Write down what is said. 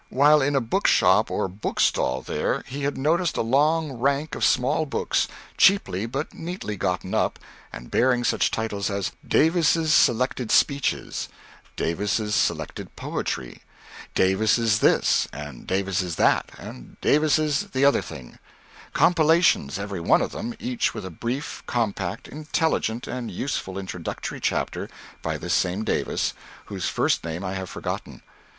While in a book shop or book stall there he had noticed a long rank of small books, cheaply but neatly gotten up, and bearing such titles as "Davis's Selected Speeches," "Davis's Selected Poetry," Davis's this and Davis's that and Davis's the other thing; compilations, every one of them, each with a brief, compact, intelligent and useful introductory chapter by this same Davis, whose first name I have forgotten.